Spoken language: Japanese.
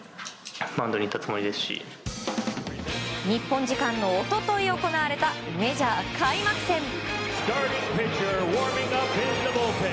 日本時間の一昨日行われたメジャー開幕戦。